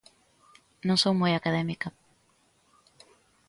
Non son moi académica.